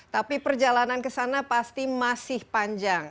tapi perjalanan ke sana pasti masih panjang